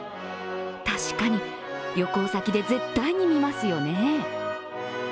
確かに、旅行先で絶対に見ますよね。